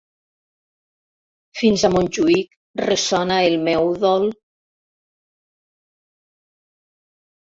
Fins a Montjuïc ressona el meu udol...